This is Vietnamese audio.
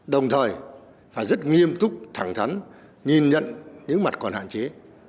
đồng thời phải rất nghiêm túc thẳng thắn nhìn nhận những mặt còn hạn chế